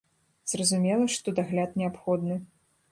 Зразумела, што дагляд неабходны.